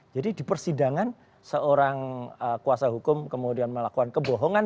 jadi di persidangan seorang kuasa hukum kemudian melakukan kebohongan